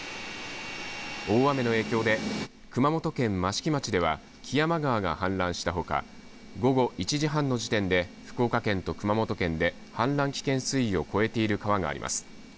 大雨の影響で熊本県益城町では木山川が氾濫したほか午後１時半の時点で福岡県と熊本県で氾濫危険水位を超えている川があります。